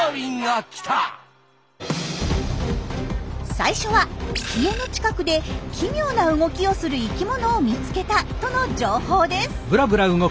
最初は家の近くで奇妙な動きをする生きものを見つけたとの情報です。